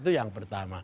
itu yang pertama